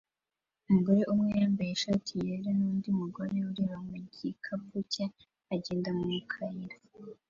Umugore umwe wambaye ishati yera nundi mugore ureba mu gikapu cye agenda mu kayira